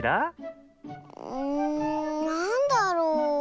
うんなんだろう。